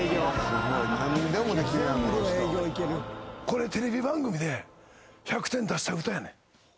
これテレビ番組で１００点出した歌やねん。